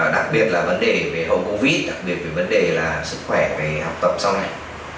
đặc biệt là vấn đề về hậu covid đặc biệt về vấn đề là sức khỏe về học tập sau này